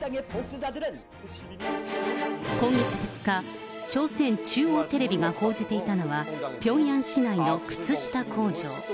今月２日、朝鮮中央テレビが報じていたのは、ピョンヤン市内の靴下工場。